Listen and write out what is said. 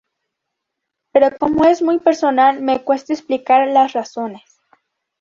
Pero como es muy personal, me cuesta explicar las razones.